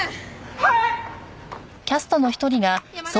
はい！